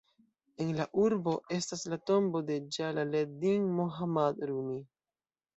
En la urbo estas la tombo de Ĝalal-ed-din Mohammad Rumi.